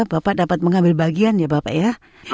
bapak dapat mengambil bagian ya bapak ya